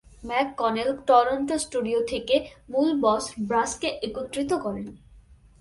McConnell Toronto studio থেকে মূল বস ব্রাসকে একত্রিত করেন।